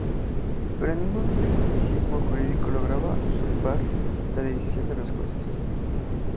Pero ningún tecnicismo jurídico lograba usurpar la decisión de los jueces.